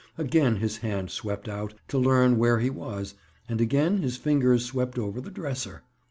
Again his hand swept out, to learn where he was, and again his fingers swept over the dresser.